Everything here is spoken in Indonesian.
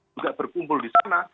juga berkumpul di sana